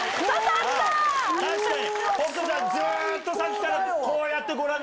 あ確かに。